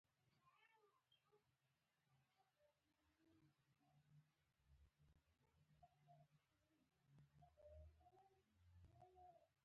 مچان د زخم پر ځای کښېني